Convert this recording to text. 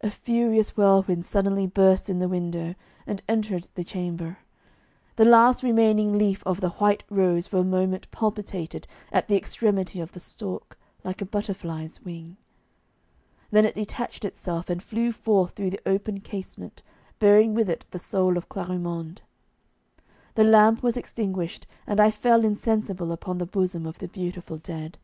A furious whirlwind suddenly burst in the window, and entered the chamber. The last remaining leaf of the white rose for a moment palpitated at the extremity of the stalk like a butterfly's wing, then it detached itself and flew forth through the open casement, bearing with it the soul of Clarimonde. The lamp was extinguished, and I fell insensible upon the bosom of the beautiful dead.